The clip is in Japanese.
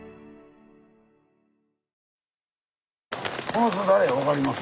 この人誰や分かります？